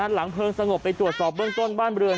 หลังเพลิงสงบไปตรวจสอบเบื้องต้นบ้านเรือน